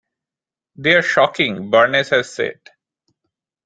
They're shocking, Barnes has said.